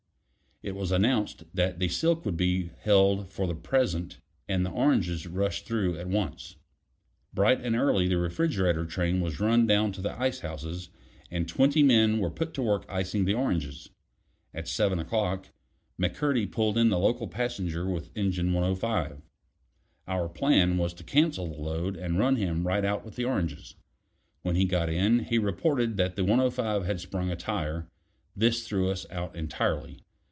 It was announced that the silk would be held for the present and the oranges rushed through at once. Bright and early the refrigerator train was run down to the icehouses, and twenty men were put to work icing the oranges. At seven o'clock, McCurdy pulled in the local passenger with engine 105. Our plan was to cancel the load and run him right out with the oranges. When he got in, he reported that the 105 had sprung a tire; this threw us out entirely.